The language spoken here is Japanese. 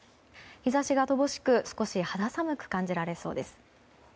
日差しが乏しく少し肌寒く感じられそうです。